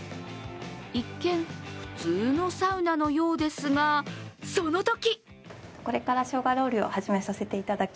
一見、普通のサウナのようですが、そのとき。